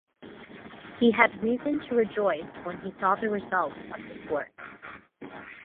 He had reason to rejoice when he saw the result of his work.